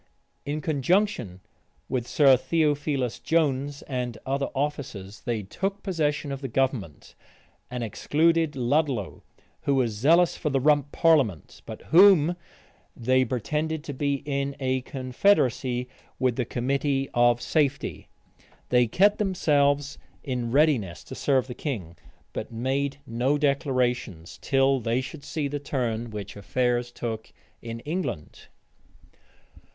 In conjunction with Sir Theophilus Jones and other officers, they took possession of the government, and excluded Ludlow, who was zealous for the rump parliament, but whom they, pretended to be in a confederacy with the committee of safety. They kept themselves in readiness to serve the king; but made no declarations, till they should see the turn which affairs took in England.